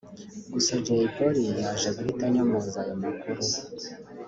Gusa Jay Polly yaje guhita anyomoza ayo makuru